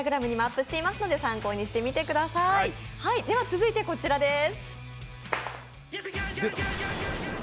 続いて、こちらです